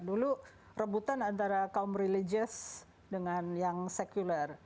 dulu rebutan antara kaum religious dengan yang sekuler